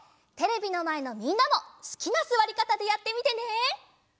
テレビのまえのみんなもすきなすわりかたでやってみてね！